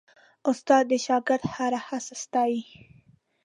استاد د شاګرد هره هڅه ستايي.